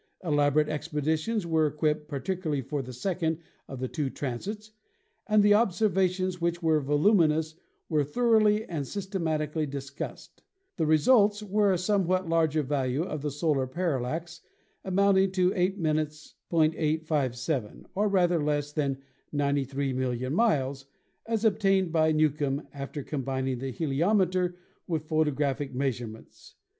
Elaborate expeditions were equipped, particularly for the second of the two transits, and the observations, which were voluminous, were thoroly and systematically dis cussed. The results were a somewhat larger value of the solar parallax, amounting to 8".857, or rather less than 93,000,000 miles, as obtained by Newcomb after combining the heliometer with photographic measurements.